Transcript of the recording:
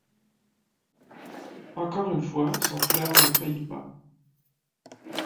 Encore une fois, son flair ne faillit pas.